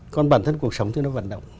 còn bản thân cuộc sống thì nó vận động